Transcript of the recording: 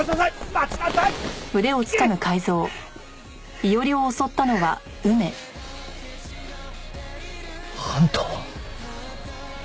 待ちなさい！あんたは！